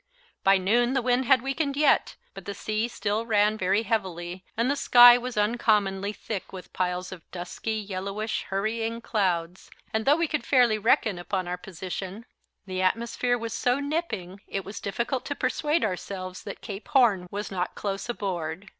By noon the wind had weakened yet, but the sea still ran very heavily, and the sky was uncommonly thick with piles of dusky, yellowish, hurrying clouds; and though we could fairly reckon upon our position, the atmosphere was so nipping it was difficult to persuade ourselves that Cape Horn was not close aboard.